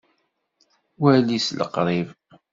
Wali s liqṛib!